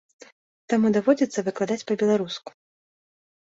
Таму даводзіцца выкладаць па-беларуску.